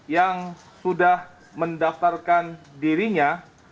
yang sudah mendaftarkan dirinya